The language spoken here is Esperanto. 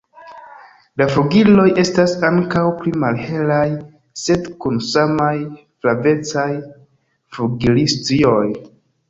La flugiloj estas ankaŭ pli malhelaj sed kun samaj flavecaj flugilstrioj.